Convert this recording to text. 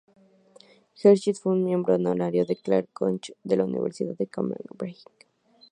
Hersey fue un miembro honorario del Clare College, de la Universidad de Cambridge.